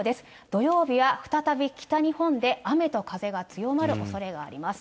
土曜日は再び北日本で雨と風が強まるおそれがあります。